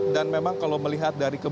dan memang kalau melihat dari kebun